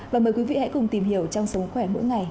và mời quý vị hãy cùng tìm hiểu trong sống khỏe mỗi ngày